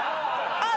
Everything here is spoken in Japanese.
あっ！